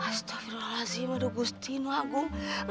astaghfirullahaladzim aduh gusti nwagung